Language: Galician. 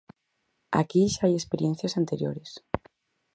Aquí xa hai experiencias anteriores.